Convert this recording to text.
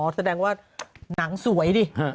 แสดงว่าหนังสวยดิ